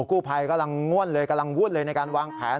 กู้ภัยกำลังงวดเลยในการวางแผน